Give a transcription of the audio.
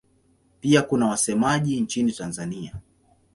Pia kuna wasemaji nchini Tanzania.